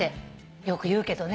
よく言うけどね。